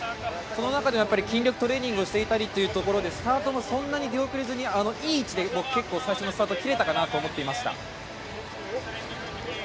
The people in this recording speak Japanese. その中で筋力トレーニングをしていたりという中でスタート、そんなに出遅れずにいい位置で結構、最初のスタートを切れたかなと思っていました。